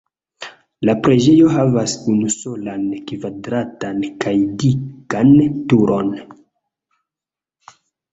La preĝejo havas unusolan kvadratan kaj dikan turon.